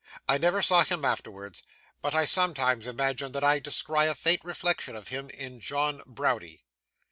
I never saw him afterwards, but I sometimes imagine that I descry a faint reflection of him in John Browdie.